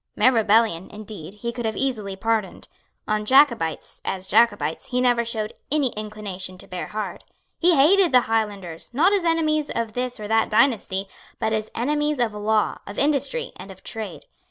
Mere rebellion, indeed, he could have easily pardoned. On Jacobites, as Jacobites, he never showed any inclination to bear hard. He hated the Highlanders, not as enemies of this or that dynasty, but as enemies of law, of industry and of trade.